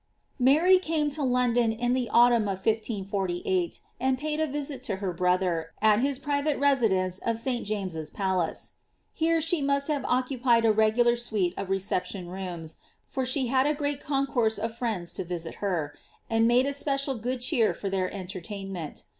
Mary came to London in the autumn of 1548, and paid a visit to her brother, at his private residence of Sl Jameses Palace. Here she must have occupied a regular suite of . reception rooms, for she had a great concourse of friends to visit her, and made esp«>cial good cheer for their entertainment.